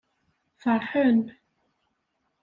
Feṛḥen.